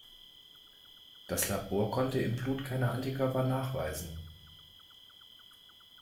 Das Labor konnte im Blut keine Antikörper nachweisen.